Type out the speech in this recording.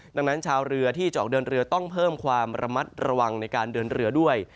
ดังนั้นชาวเรือที่จะออกเดินเรือต้องเพิ่มความระมัดระวังในการเดินเรือด้วย